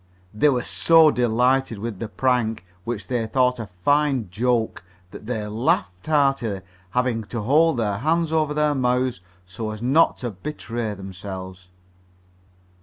They were so delighted with their prank, which they thought a fine "joke," that they laughed heartily, having to hold their hands over their mouths so as not to betray themselves.